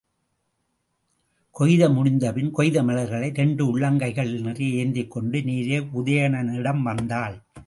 கொய்து முடிந்தபின் கொய்த மலர்களை இரண்டு உள்ளங்கைகள் நிறைய ஏந்திக்கொண்டு நேரே உதயணனிடம் வந்தாள்.